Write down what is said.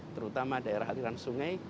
terutama daerah aliran sungai